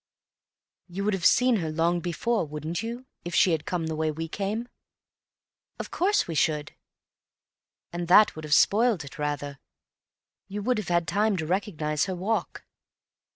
"You would have seen her long before, wouldn't you, if she had come the way we came?" "Of course we should." "And that would have spoilt it rather. You would have had time to recognize her walk."